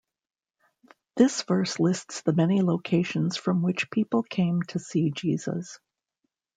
This verse lists the many locations from which people came to see Jesus.